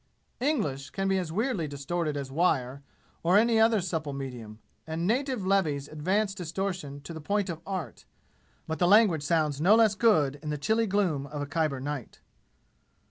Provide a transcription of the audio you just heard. English can be as weirdly distorted as wire, or any other supple medium, and native levies advance distortion to the point of art; but the language sounds no less good in the chilly gloom of a Khyber night.